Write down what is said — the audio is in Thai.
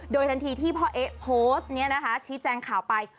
โดยทันทีที่พ่อเอ๊ะโพสต์นี้นะคะชี้แจงข่าวไป